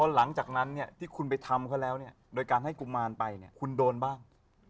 หลังจากนั้นเนี่ยที่คุณไปทำเขาแล้วเนี่ยโดยการให้กุมารไปเนี่ยคุณโดนบ้าง